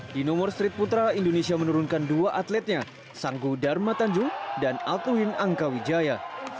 di nomor street putra indonesia menurunkan dua atletnya sanggu dharma tanjung dan althuin angkawijaya